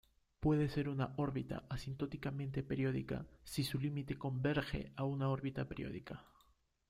Puede ser una órbita asintóticamente periódica si su límite converge a una órbita periódica.